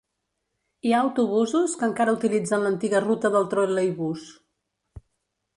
Hi ha autobusos que encara utilitzen l'antiga ruta del troleibús.